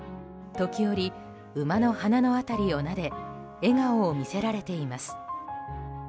時折、馬の鼻の辺りをなで笑顔を見せられています。